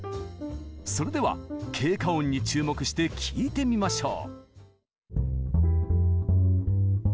それでは「経過音」に注目して聴いてみましょう。